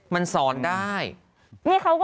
มันสอนได้